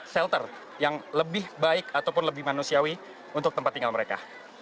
shelter yang lebih baik ataupun lebih manusiawi untuk tempat tinggal mereka